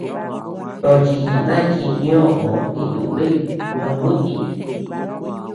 Tochi jinay chita ñóʼoo jitúbiy ñonútii.